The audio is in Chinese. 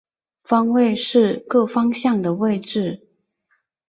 方位是各方向的位置。